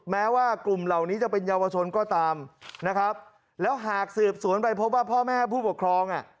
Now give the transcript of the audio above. แม้ว่ากลุ่มเหล่านี้จะเป็นเยาวชนก็ตามนะครับแล้วหากสืบสวนไปพบว่าพ่อแม่ผู้ปกครองอ่ะ